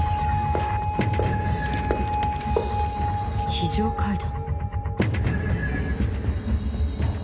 非常階段？